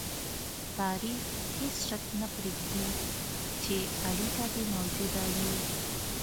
تاریخ هېڅ شک نه پرېږدي چې اړیکه دې موجوده وي.